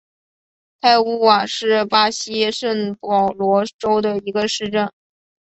泰乌瓦是巴西圣保罗州的一个市镇。